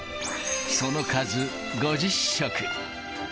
その数、５０食。